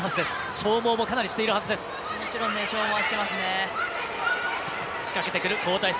消耗もかなりしているはずです。